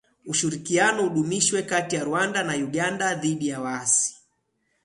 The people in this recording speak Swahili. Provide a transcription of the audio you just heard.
Ushirikiano udumishwe kati ya Rwanda na Uganda dhidi ya waasi